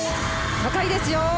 高いですよ。